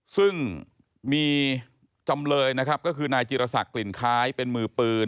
ซึ่งมีจำเลยนะครับก็คือนายจิรษักกลิ่นคล้ายเป็นมือปืน